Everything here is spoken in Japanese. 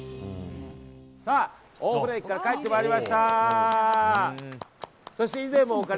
大船駅から帰ってまいりました。